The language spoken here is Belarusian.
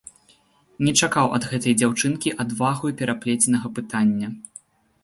Не чакаў ад гэтай дзяўчынкі адвагаю пераплеценага пытання.